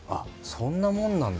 そんなもんなんだ。